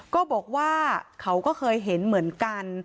ก็บอกว่าเขาก็เคยเห็นเหมือนกัน